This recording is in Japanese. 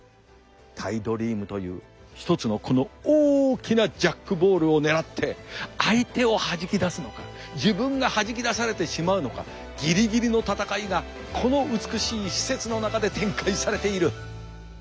タイドリームという一つのこの大きなジャックボールを狙って相手をはじき出すのか自分がはじき出されてしまうのかギリギリの闘いがこの美しい施設の中で展開されている。